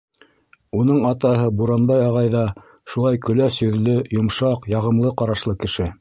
Уның атаһы Буранбай ағай ҙа шулай көләс йөҙлө, йомшаҡ, яғымлы ҡарашлы кеше.